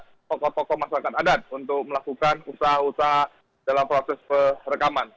ada tokoh tokoh masyarakat adat untuk melakukan usaha usaha dalam proses perekaman